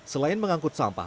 selain mengangkut sampah